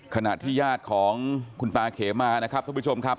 ขณะที่ญาติของคุณตาเขมานะครับทุกผู้ชมครับ